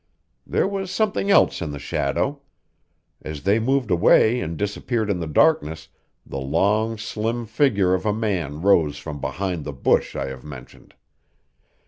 There was something else in the shadow. As they moved away and disappeared in the darkness the long, slim figure of a man rose from behind the bush I have mentioned.